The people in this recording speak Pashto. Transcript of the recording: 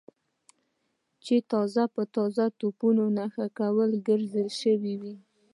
چې تازه په تازه د توپونو نښه ګرځول شوي و.